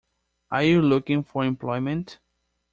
Are you looking for employment?